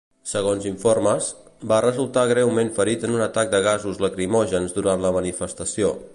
Segons informes, va resultar greument ferit en un atac de gasos lacrimògens durant la manifestació.